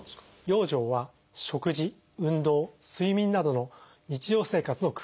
養生は食事運動睡眠などの日常生活の工夫です。